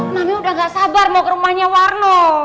nami udah gak sabar mau ke rumahnya warno